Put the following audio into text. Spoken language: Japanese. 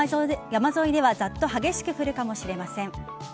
山沿いではざっと激しく降るかもしれません。